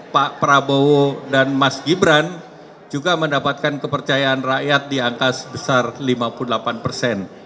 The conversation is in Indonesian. pak prabowo dan mas gibran juga mendapatkan kepercayaan rakyat di angka sebesar lima puluh delapan persen